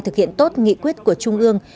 thực hiện tốt nghị quyết của trung ương